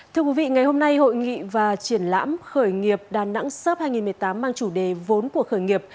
thưa quý vị ngày hôm nay hội nghị và triển lãm khởi nghiệp đà nẵng sh hai nghìn một mươi tám mang chủ đề vốn của khởi nghiệp